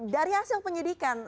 dari hasil penyidikan